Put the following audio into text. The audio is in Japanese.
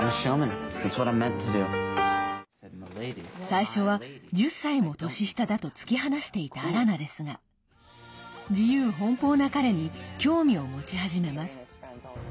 最初は１０歳も年下だと突き放していたアラナですが自由奔放な彼に興味を持ち始めます。